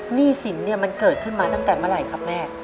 หนี้สินเนี่ยมันเกิดขึ้นมาตั้งแต่เมื่อไหร่ครับแม่